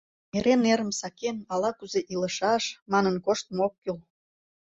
Эре, нерым сакен, «ала-кузе илышаш» манын коштмо ок кӱл.